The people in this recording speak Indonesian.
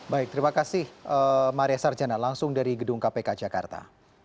baik terima kasih maria sarjana langsung dari gedung kpk jakarta